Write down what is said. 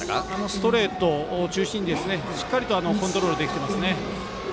ストレートを中心にしっかりとコントロールできてます。